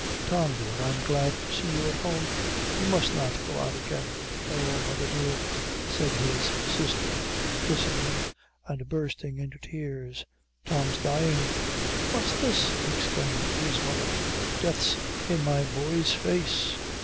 Tom, dear, I am glad to see you at home; you must not go out again." "Oh, mother dear," said his sister, kissing him, and bursting into tears, "Tom's dying!" "What's this?" exclaimed his mother "death's in my boy's face!"